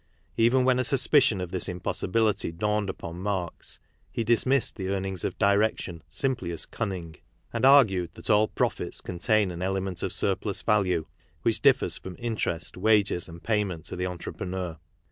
Even when a suspiCfffn' ofTihrsTmpossib'iIity dawned upon Marx, he dismissed the earnings of direction simply as cunning," and argued that all profits contain an element of surplus value which differs from interest, wages and payment to the entrepreneur.